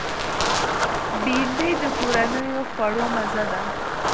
بېنډۍ د کورنیو خوړو مزه ده